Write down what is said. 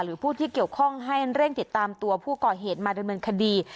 ผู้ที่เกี่ยวข้องให้เร่งติดตามตัวผู้ก่อเหตุมาดำเนินคดี